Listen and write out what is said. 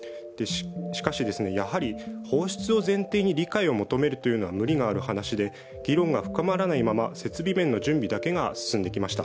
しかし、やはり放出を前提に理解を求めるというのは無理がある話で、議論が深まらないまま設備面の準備だけが進んできました。